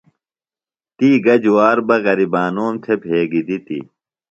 تی گہ جُوار بہ غریبانوم تھےۡ بھگیۡ دِتیۡ؟